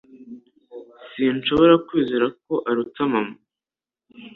Sinshobora kwizera ko aruta mama.